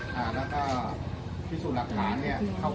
ตอนนี้เราพบเด็กต่อแล้วนะครับ